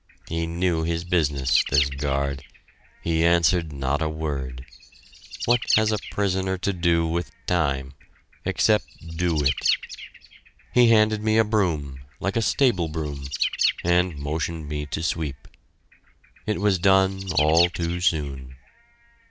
He knew his business this guard. He answered not a word. What has a prisoner to do with time except "do" it. He handed me a broom like a stable broom and motioned me to sweep. It was done all too soon.